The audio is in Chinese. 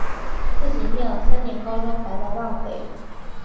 自己念了三年高中白白浪费